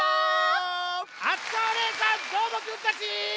あつこおねえさんどーもくんたち。